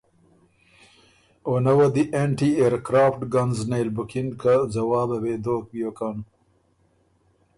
او نۀ وه دی انټی ائرکرافټ ګنز نېل بُکِن که ځوابه وې دوک بیوکن۔